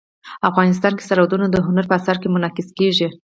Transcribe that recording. افغانستان کې سرحدونه د هنر په اثار کې منعکس کېږي.